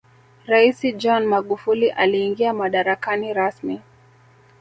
raisi john magufuli aliingia madarakani rasmi